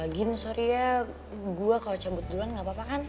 gin sorry nya gue kalau cabut duluan gak apa apa kan